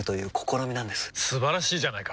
素晴らしいじゃないか！